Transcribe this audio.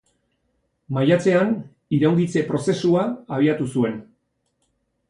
Maiatzean iraungitze prozesua abiatu zuen.